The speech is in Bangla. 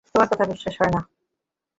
তোমার কথা বিশ্বাস হয়না।